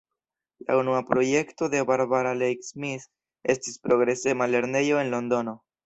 La unua projekto de Barbara Leigh Smith estis progresema lernejo en Londono.